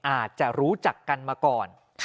อาจจะรู้จักกันมาก่อน